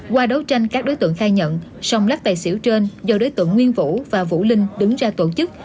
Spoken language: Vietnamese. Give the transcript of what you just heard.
qua đấu tranh các đối tượng khai nhận sông lắc tài xỉu trên do đối tượng nguyên vũ và vũ linh đứng ra tổ chức